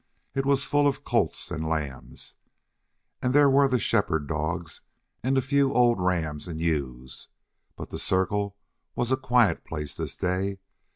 It was full of colts and lambs, and there were the shepherd dogs and a few old rams and ewes. But the circle was a quiet place this day.